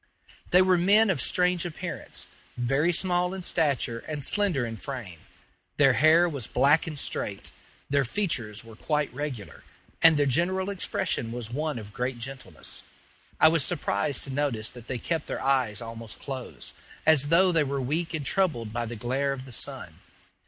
They were men of strange appearance very small in stature and slender in frame. Their hair was black and straight, their features were quite regular, and their general expression was one of great gentleness. I was surprised to notice that they kept their eyes almost closed, as though they were weak and troubled by the glare of the sun.